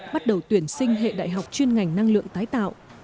bắt đầu tuyển sinh hệ đại học chuyên ngành năng lượng tái tạo